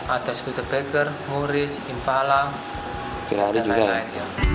ada studebaker morris impala dan lain lain